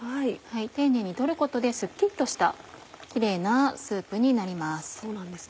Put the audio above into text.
丁寧に取ることですっきりとしたキレイなスープになります。